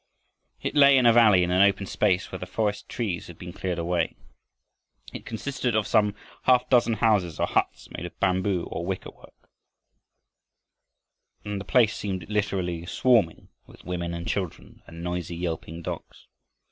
It lay in a valley in an open space where the forest trees had been cleared away. It consisted of some half dozen houses or huts made of bamboo or wickerwork, and the place seemed literally swarming with women and children and noisy yelping dogs.